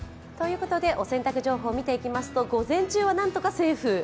お洗濯情報を見ていきますと、午前中は何とかセーフ。